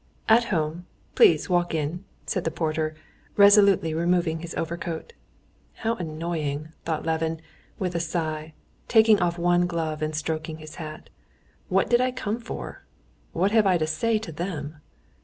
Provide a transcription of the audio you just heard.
"At home; please walk in," said the porter, resolutely removing his overcoat. "How annoying!" thought Levin with a sigh, taking off one glove and stroking his hat. "What did I come for? What have I to say to them?"